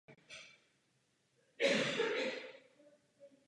Tuto činnost tak vykonává pouze z praktických důvodů.